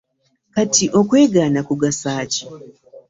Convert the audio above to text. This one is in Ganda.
Kati okwegaana kugasa ki?